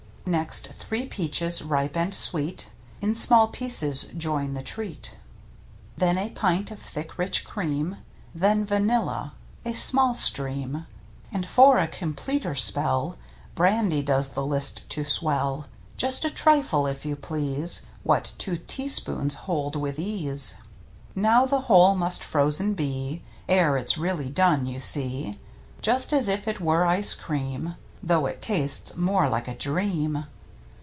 Next three peaches, ripe and sweet. In small pieces join the treat, egg / =\ri ig 5J/ aitismelr Hetttuts ^ Then a pint of thick, rich cream, Then vanilla — a small stream — And, for a completer spell, Brandy goes the list to swell. Just a trifle, if you please, What two teaspoons hold with ease. Now the whole must frozen be. Ere it's really done, you see, Just as if it were ice cream (Though it tastes more like a dream!)